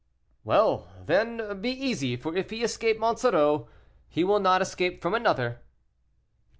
"Well, then, be easy, for if he escape Monsoreau, he will not escape from another."